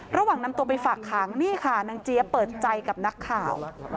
ระหว่างนำตัวไปฝากขังนี่ค่ะนางเจี๊ยบเปิดใจกับนักข่าว